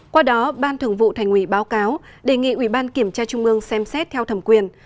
qua đó ban thường vụ thành ủy báo cáo đề nghị ủy ban kiểm tra trung ương xem xét theo thẩm quyền